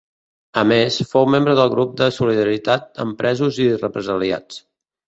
A més, fou membre del Grup de Solidaritat amb Presos i Represaliats.